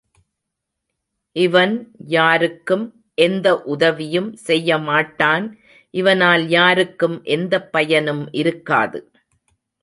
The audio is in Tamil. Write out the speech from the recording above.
இவன் யாருக்கும் எந்த உதவியும் செய்யமாட்டான் இவனால் யாருக்கும் எந்தப் பயனும் இருக்காது.